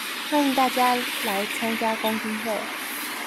歡迎大家來參加公聽會